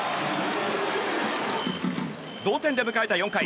同店で迎えた４回。